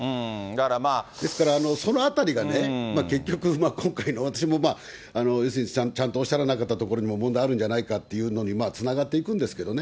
ですからそのあたりがね、結局、今回の、私も、要するに、ちゃんとおっしゃらなかったところにも問題あるんじゃないかっていうのにつながっていくんですけどね。